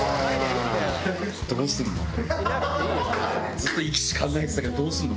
ずっと行きしな考えてたけどどうすんの？